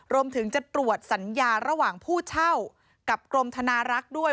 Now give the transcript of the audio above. รวมถึงจะตรวจสัญญาระหว่างผู้เช่ากับกรมธนารักษ์ด้วย